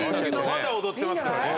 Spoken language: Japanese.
まだ踊ってますからね。